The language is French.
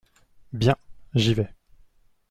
Bien, j'y vais.